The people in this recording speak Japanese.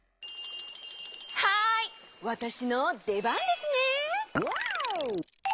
はいわたしのでばんですね！